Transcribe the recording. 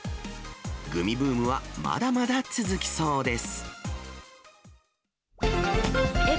グミブームはまだまだ続きそうです。